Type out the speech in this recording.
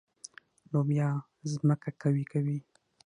لوبیا ځمکه قوي کوي.